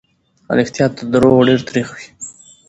رښتيا تر دروغو ډېر تريخ وي.